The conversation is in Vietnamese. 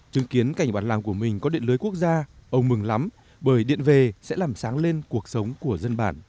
chứng kiến cảnh bản làng của mình có điện lưới quốc gia ông mừng lắm bởi điện về sẽ làm sáng lên cuộc sống của dân bản